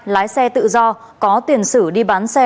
lái xe tự do có tiền sử đi bán xe